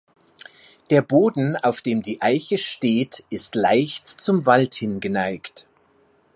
Der Boden, auf dem die Eiche steht, ist leicht zum Wald hin geneigt.